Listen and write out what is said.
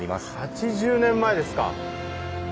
８０年前ですか！